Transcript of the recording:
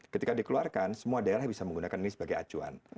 ketika dikeluarkan semua daerah bisa menggunakan ini sebagai acuan